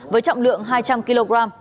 với trọng lượng hai trăm linh kg